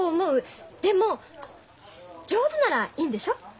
でも上手ならいいんでしょ？